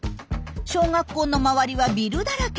小学校の周りはビルだらけ。